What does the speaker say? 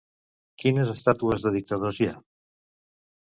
Quines estàtues de dictadors hi ha?